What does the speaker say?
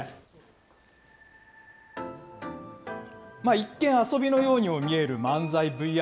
一見、遊びのようにも見える漫才ＶＲ